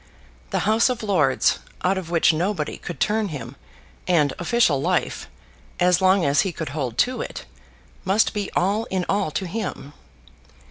The House of Lords, out of which nobody could turn him, and official life, as long as he could hold to it, must be all in all to him.